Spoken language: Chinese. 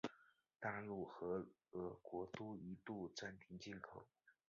大陆和俄国都一度暂停进口。